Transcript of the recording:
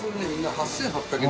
８８００円？